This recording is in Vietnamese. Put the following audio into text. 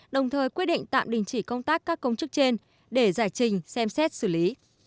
đồng thời quyết định tạm đình chỉ công tác các công chức trên để giải trình xem xét xử lý